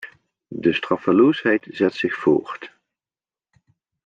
De straffeloosheid zet zich voort.